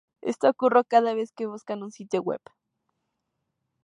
Esto ocurre cada vez que buscas un sitio web.